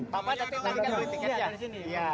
bapak datang nanti beli tiket ya